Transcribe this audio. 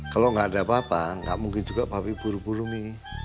kalo ga ada papa ga mungkin juga papi buru buru mi